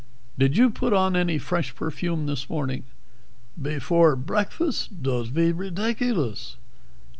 "Did you put on any fresh perfume this morning?" "Before breakfast? Dod't be ridiculous."